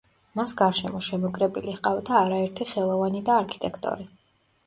მას გარშემო შემოკრებილი ჰყავდა არაერთი ხელოვანი და არქიტექტორი.